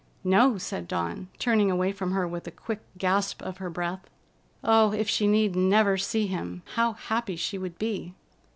"No," said Dawn, turning away from her with a quick gasp of her breath. Oh, if she need never see him, how happy she would be!